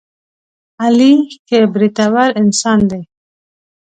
علي ښه برېتور انسان دی.